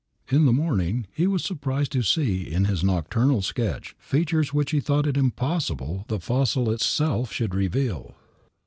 In the morning he was surprised to see in his nocturnal sketch features which he thought it impossible the fossil itself should reveal.